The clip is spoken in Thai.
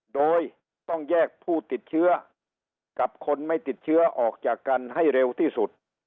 โดยต้องแยกผู้ติดเชื้อกับคนไม่ติดเชื้อออกจากกันให้เร็วที่สุด